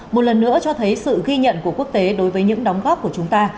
một lần nữa cho thấy sự ghi nhận của quốc tế đối với những đóng góp của chúng ta